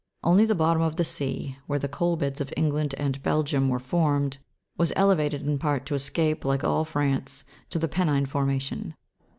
Only the bottom of the sea, where the coal beds of Eng land and Belgium were formed, was elevated in part to escape, like all France, to the penine formation.